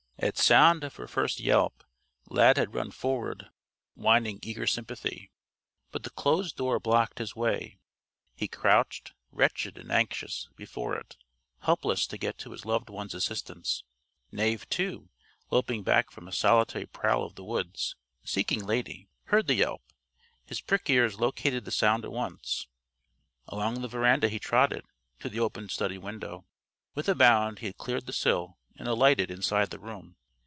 At sound of her first yelp, Lad had run forward, whining eager sympathy. But the closed door blocked his way. He crouched, wretched and anxious, before it, helpless to go to his loved one's assistance. Knave, too, loping back from a solitary prowl of the woods, seeking Lady, heard the yelp. His prick ears located the sound at once. Along the veranda he trotted, to the open study window. With a bound he had cleared the sill and alighted inside the room.